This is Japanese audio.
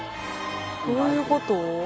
どういうこと？